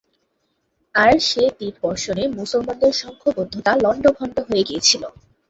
আর সে তীর বর্ষণে মুসলমানদের সংঘবদ্ধতা লণ্ডভণ্ড হয়ে গিয়েছিল।